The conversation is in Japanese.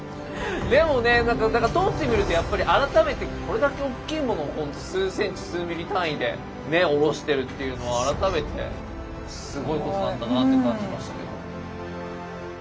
でもねなんかだから通ってみるとやっぱり改めてこれだけおっきいものをほんと数ｃｍ数ｍｍ単位でねおろしてるっていうのは改めてすごいことなんだなって感じましたけど。